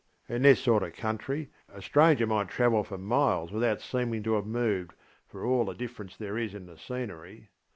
In this sort of country a stranger might travel for miles without seeming to have moved, for all the difference there is in the scenery.